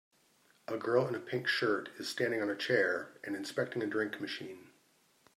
A girl in a pink shirt is standing on a chair and inspecting a drink machine.